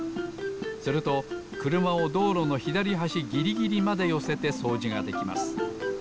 するとくるまをどうろのひだりはしギリギリまでよせてそうじができます。